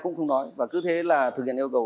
cũng không nói và cứ thế là thực hiện yêu cầu